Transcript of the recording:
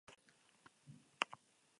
Uso mezulariak hegan egingo du aurrerantzean.